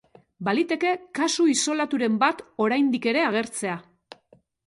Baliteke kasu isolaturen bat oraindik ere agertzea.